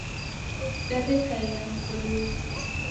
Daw'ekaiya nokolughu.